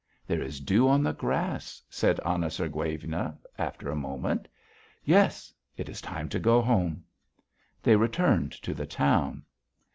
"There is dew on the grass," said Anna Sergueyevna after a silence. "Yes. It is time to go home." They returned to the town.